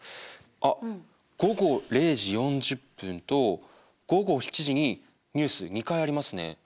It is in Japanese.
あっ午後０時４０分と午後７時にニュース２回ありますね。